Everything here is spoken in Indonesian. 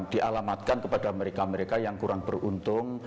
dialamatkan kepada mereka mereka yang kurang beruntung